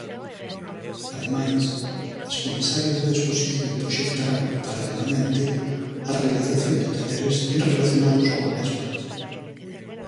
Ademais, as comisarias da exposición proxectarán, paralelamente, a realización de talleres relacionados coa mesma.